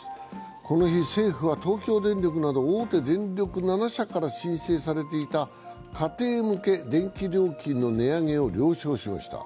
この日、政府は東京電力など大手電力７社から申請されていた家庭向け電気料金の値上げを了承しました。